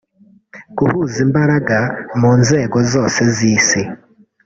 guhuza imbaraga mu nzego zose z’isi